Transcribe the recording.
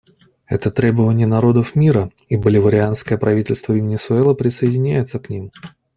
Это требования народов мира, и Боливарианское правительство Венесуэлы присоединяется к ним.